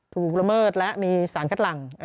ละเมิดและมีสารคัดหลัง